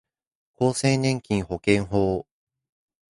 厚生年金保険法